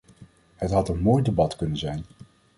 Het had een mooi debat kunnen zijn.